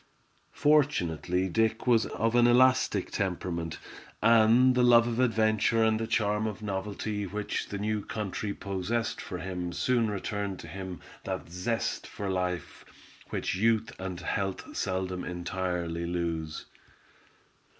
Fortunately Dick was of an elastic temperament, and the love of adventure and the charm of novelty which the new country possessed for him soon returned to him that zest for life which youth and health seldom entirely lose.